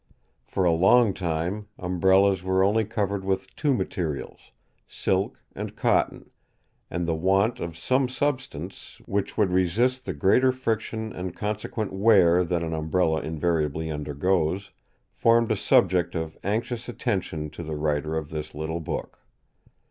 For a long time, Umbrellas were only covered with two materials silk and cotton, and the want of some substance, which would resist the greater friction and consequent wear than an Umbrella invariably undergoes, formed a subject of anxious attention to the writer of this little book.